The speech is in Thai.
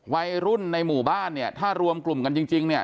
วัยรุ่นในหมู่บ้านเนี่ยถ้ารวมกลุ่มกันจริงเนี่ย